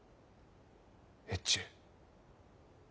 越中。